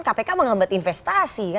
kpk menghambat investasi